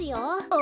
あ！